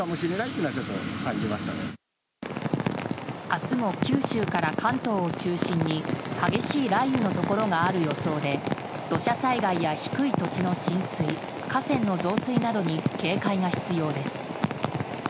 明日も九州から関東を中心に激しい雷雨のところがある予想で土砂災害や低い土地の浸水河川の増水などに警戒が必要です。